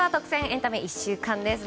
エンタメ１週間です。